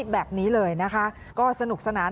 แบบนี้เลยนะคะก็สนุกสนาน